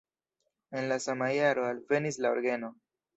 En la sama jaro alvenis la orgeno.